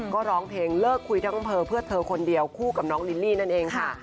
ก็ร้องเพลงเลิกคุยทั้งอำเภอเพื่อเธอคนเดียวคู่กับน้องลิลลี่นั่นเองค่ะ